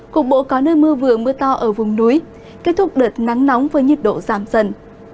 cục bộ có nơi mưa vừa mưa to ở vùng núi kết thúc đợt nắng nóng với nhiệt độ giảm dần